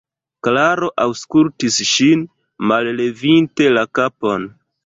Klaro aŭskultis ŝin, mallevinte la kapon.